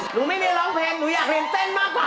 หนูไม่ได้ร้องเพลงหนูอยากเรียนเต้นมากกว่า